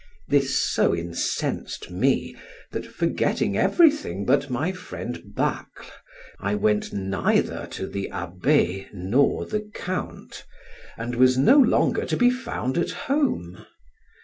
This so incensed me, that forgetting everything but my friend Bacle, I went neither to the abbe nor the count, and was no longer to be found at home.